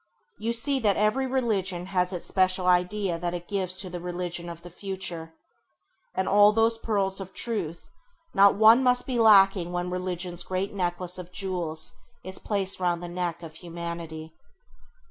You see that every religion has its special idea that it gives to the religion of the future, and of all those pearls of truth not one must be lacking when religion's great necklace of jewels is placed round the neck of humanity.